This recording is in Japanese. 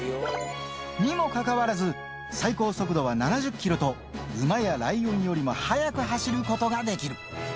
にもかかわらず、最高速度は７０キロと、ウマやライオンよりも早く走ることができる。